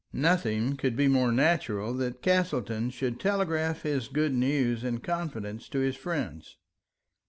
Nothing could be more natural than that Castleton should telegraph his good news in confidence to his friends.